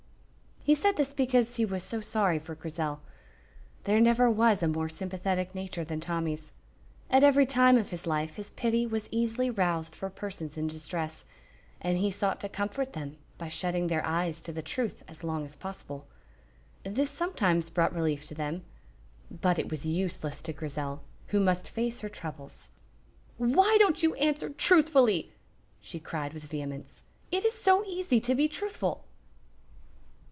He said this because he was so sorry for Grizel. There never was a more sympathetic nature than Tommy's. At every time of his life his pity was easily roused for persons in distress, and he sought to comfort them by shutting their eyes to the truth as long as possible. This sometimes brought relief to them, but it was useless to Grizel, who must face her troubles. "Why don't you answer truthfully?" she cried, with vehemence. "It is so easy to be truthful!"